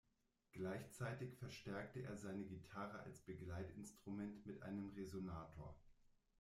Gleichzeitig verstärkte er seine Gitarre als Begleitinstrument mit einem Resonator.